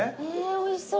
おいしそう。